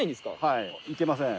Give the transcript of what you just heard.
はい行けません。